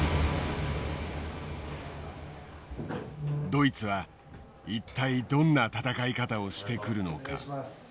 ドイツは一体どんな戦い方をしてくるのか。